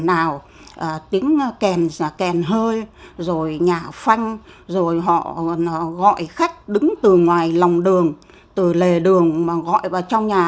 ổn ảo tiếng kèn hơi rồi nhà phanh rồi họ gọi khách đứng từ ngoài lòng đường từ lề đường mà gọi vào trong nhà